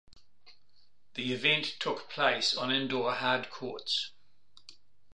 The event took place on indoor hard courts.